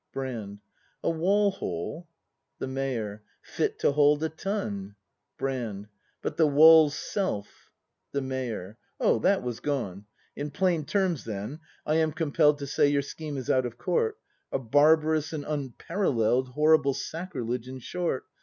Brand. A wall hole ? The Mayor. Fit to hold a tun! Brand. But the wall's self ? The Mayor. Oh, that was gone. In plain terms then, I am compell'd To say, your scheme is out of court: — A barbarous and unparallel'd Horrible sacrilege, in short.